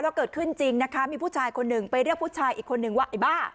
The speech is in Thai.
เกิดขึ้นจริงนะคะมีผู้ชายคนหนึ่งไปเรียกผู้ชายอีกคนนึงว่าไอ้บ้า